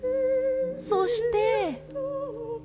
そして。